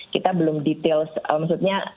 kita belum detail maksudnya